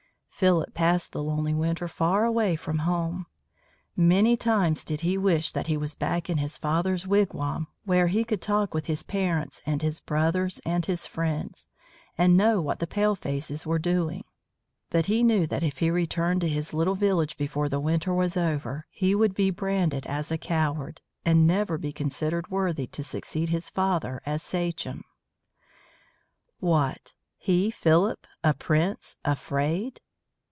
Philip passed the lonely winter far away from home. Many times did he wish that he was back in his father's wigwam where he could talk with his parents and his brothers and his friends, and know what the palefaces were doing. But he knew that if he should return to his little village before the winter was over he would be branded as a coward, and never be considered worthy to succeed his father as sachem. [Illustration: THE YOUNG HUNTER] What, he, Philip, a prince, afraid?